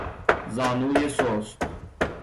زانوی سست